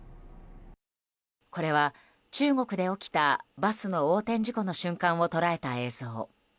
これは中国で起きたバスの横転事故の瞬間を捉えた映像。